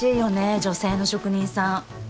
女性の職人さん。